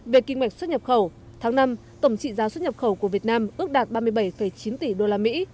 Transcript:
về kinh mạch xuất nhập khẩu tháng năm tổng trị giá xuất nhập khẩu của việt nam ước đạt ba mươi bảy chín tỷ đô la mỹ